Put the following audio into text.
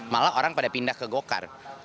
malah orang pada pindah ke golkar